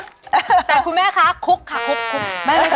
สวัสดีค่ะ